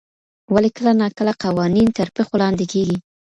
ولي کله ناکله قوانين تر پښو لاندې کيږي؟